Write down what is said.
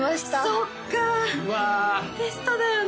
そっかうわテストだよね